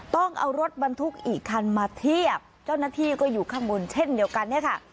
ต้องเอารถบรรทุกอีกคันมาเทียบเจ้าหน้าที่ก็อยู่ข้างบนเช่นเดียวกันเนี่ยค่ะ